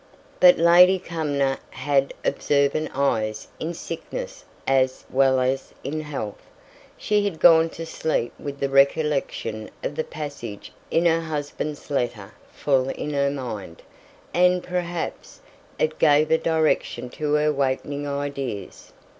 But Lady Cumnor had observant eyes in sickness as well as in health. She had gone to sleep with the recollection of the passage in her husband's letter full in her mind, and, perhaps, it gave a direction to her wakening ideas.